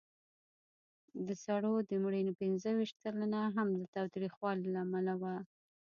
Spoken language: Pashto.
د سړو د مړینې پینځهویشت سلنه هم د تاوتریخوالي له امله وه.